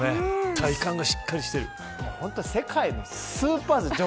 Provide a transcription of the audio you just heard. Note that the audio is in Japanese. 体幹がしっかりしている。